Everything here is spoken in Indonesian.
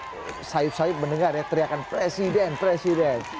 nah itu dia ya anda sayup sayup mendengar ya teriakan presiden presiden